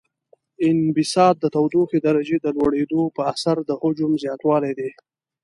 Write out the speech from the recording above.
انبساط د تودوخې درجې د لوړیدو په اثر د حجم زیاتوالی دی.